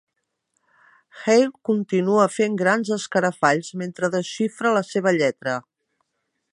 Hale continua fent grans escarafalls mentre desxifra la seva lletra.